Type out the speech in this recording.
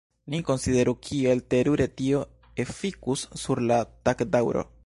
Ni konsideru kiel terure tio efikus sur la tagdaŭro.